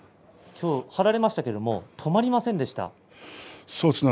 きょう、張られましたけど止まりませんでしたね。